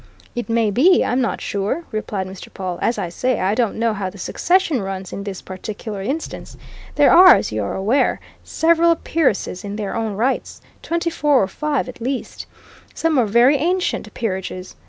"It may be I'm not sure," replied Mr. Pawle. "As I say, I don't know how the succession runs in this particular instance. There are, as you are aware, several peeresses in their own rights twenty four or five, at least. Some are very ancient peerages.